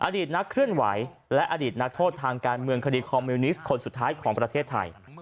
อดีตนักเคลื่อนไหวและอดีตนักโทษทางการเมืองคดีคอมมิวนิสต์คนสุดท้ายของประเทศไทย